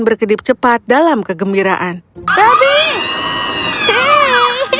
sedip cepat dalam kegembiraan robby